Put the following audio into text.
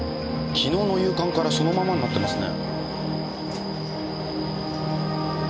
昨日の夕刊からそのままになってますね。